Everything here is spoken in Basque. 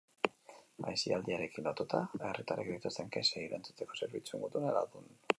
Aisialdiarekin lotuta herritarrek dituzten kexei erantzuteko zerbitzuen gutuna ladun.